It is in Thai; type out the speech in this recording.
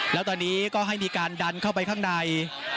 แล้วตอนนี้ก็ให้มีการดันเข้าไปข้างใน